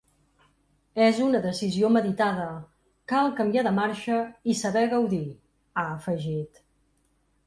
“És una decisió meditada, cal canviar de marxa i saber gaudir”, ha afegit.